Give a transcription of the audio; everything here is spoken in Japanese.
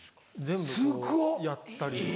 全部やったり。